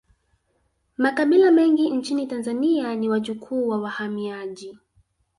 Makabila mengi nchini tanzania ni wajukuu wa wahamiaji